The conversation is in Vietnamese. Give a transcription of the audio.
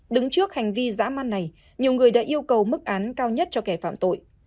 đứng trước hành vi giã man này nhiều người đã yêu cầu mức án cao nhất cho kẻ phạm tội